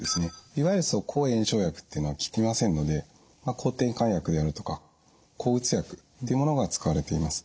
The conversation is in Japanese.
いわゆる抗炎症薬っていうのは効きませんので抗てんかん薬であるとか抗うつ薬っていうものが使われています。